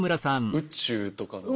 宇宙とか。